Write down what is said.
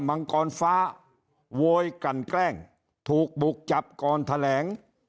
มังกรฟ้าโวยกลั่นแกล้งถูกบุกจับก่อนแถลง